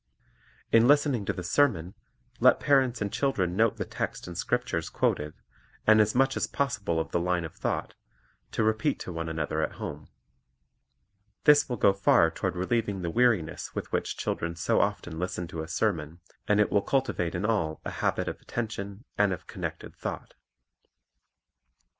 In listening to the sermon, let parents and children note the text and the scriptures quoted, and as much as possible of the line of thought, to repeat to one another at home. This will go far toward relieving the weariness with which children so often listen to a sermon, and it will cultivate in all a habit of attention and of connected thought.